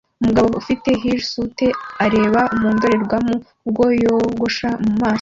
Umugabo ufite hirsute areba mu ndorerwamo ubwo yogosha mu maso